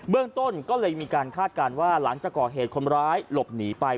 เรื่องต้นก็เลยมีการคาดการณ์ว่าหลังจากก่อเหตุคนร้ายหลบหนีไป